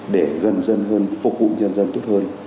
để gần dân hơn phục vụ nhân dân tốt hơn